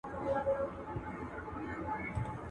بس همدومره مي زده کړي له استاده.